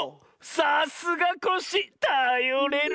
さすがコッシーたよれる。